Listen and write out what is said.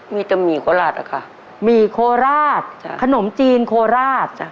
มีแต่หมี่โคราชอะค่ะหมี่โคราชขนมจีนโคราชจ้ะ